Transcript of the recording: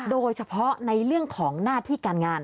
โดยเฉพาะในเรื่องของหน้าที่การงาน